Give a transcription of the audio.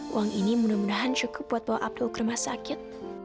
uang ini mudah mudahan cukup buat bawa abdul ke rumah sakit